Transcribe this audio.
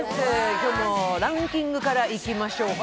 今日もランキングからいきましょうか。